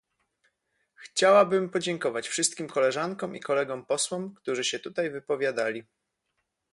Chciałabym podziękować wszystkim koleżankom i kolegom posłom, którzy się tutaj wypowiadali